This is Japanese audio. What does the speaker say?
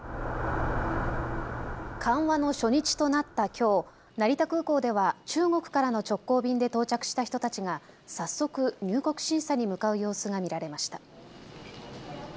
緩和の初日となったきょう、成田空港では中国からの直行便で到着した人たちが早速入国審査に向かう様子が見られました。